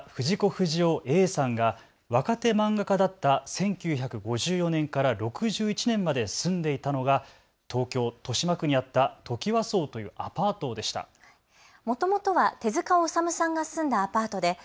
不二雄Ａさんが若手漫画家だった１９５４年から６１年まで住んでいたのが東京豊島区にあったトキワ荘というアパートでした。